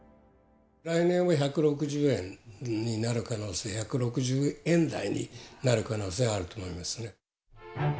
来年は１６０円になる可能性、１６０円台になる可能性があると思いますね。